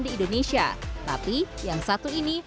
di indonesia tapi yang satu ini